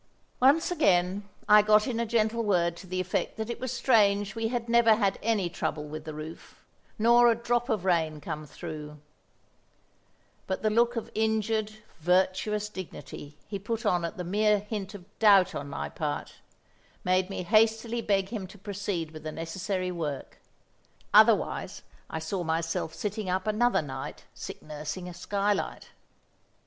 Once again I got in a gentle word to the effect that it was strange we had never had any trouble with the roof, nor a drop of rain come through; but the look of injured, virtuous dignity he put on at the mere hint of doubt on my part, made me hastily beg him to proceed with the necessary work—otherwise I saw myself sitting up another night sick nursing a skylight!